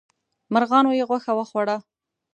مرغانو یې غوښه وخوړه.